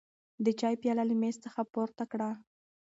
د چای پیاله له مېز څخه پورته کړه.